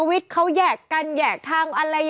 ปังวิทย์เขาแยกกันแยกทาง